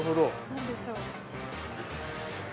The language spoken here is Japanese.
何でしょう？